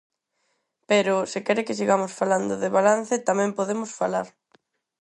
Pero, se quere que sigamos falando de balance, tamén podemos falar.